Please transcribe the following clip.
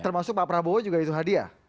termasuk pak prabowo juga itu hadiah